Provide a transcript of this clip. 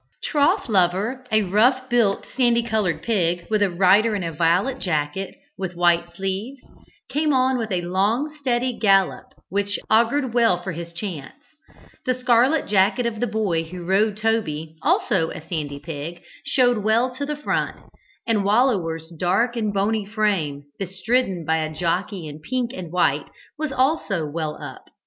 Trough lover, a rough built, sandy coloured pig, with a rider in a violet jacket with white sleeves, came on with a long steady gallop which augured well for his chance; the scarlet jacket of the boy who rode Toby, also a sandy pig, showed well to the front, and Wallower's dark and bony frame, bestridden by a jockey in pink and white was also well up.